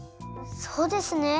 そうですね。